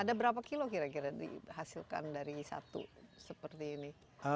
ada berapa kilo kira kira dihasilkan dari satu seperti ini